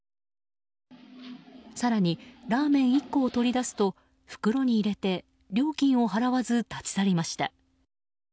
更に、ラーメン１個を取り出すと袋に入れて料金を払わず立ち去りました。